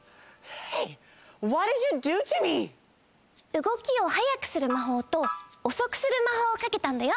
うごきをはやくするまほうとおそくするまほうをかけたんだよ。